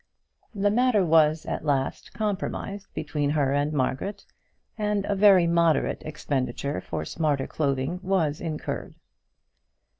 The matter was at last compromised between her and Margaret, and a very moderate expenditure for smarter clothing was incurred.